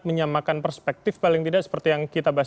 menyamakan perspektif paling tidak seperti yang kita bahas